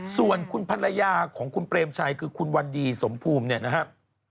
ส่วนคุณภรรยาของคุณเปรมชัยคือคุณวันดีสมภูมิเนี่ยนะครับ